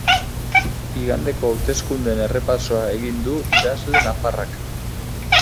Igandeko hauteskundeen errepasoa egin du idazle nafarrak.